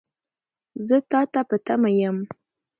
زه تا ته په تمه یم .